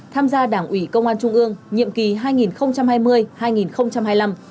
tham gia đảng ủy công an trung ương nhiệm kỳ hai nghìn hai mươi hai nghìn hai mươi năm